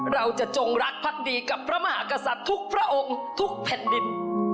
จงรักพักดีกับพระมหากษัตริย์ทุกพระองค์ทุกแผ่นดิน